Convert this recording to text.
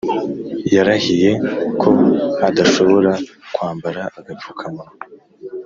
yarahiye ko adashobora kwambara agapfukamunwa